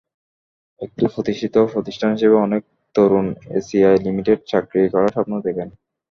একটি প্রতিষ্ঠিত প্রতিষ্ঠান হিসেবে অনেক তরুণ এসিআই লিমিটেডে চাকরি করার স্বপ্ন দেখেন।